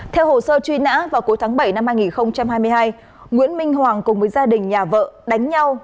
theo hồ sơ truy nã vào cuối tháng bảy năm hai nghìn hai mươi hai nguyễn minh hoàng cùng với gia đình nhà vợ đánh nhau